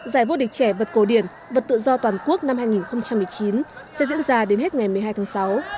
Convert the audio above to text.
giải vô địch trẻ vật cổ điển vật tự do toàn quốc năm hai nghìn một mươi chín sẽ diễn ra đến hết ngày một mươi hai tháng sáu